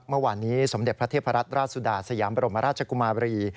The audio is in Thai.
เมื่อวานนี้สมเด็จพระเทพรัตน์ราชสุดาสยามบรมราชกุมาบรี